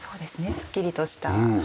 すっきりとした。